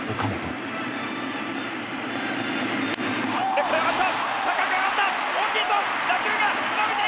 レフトへ上がった！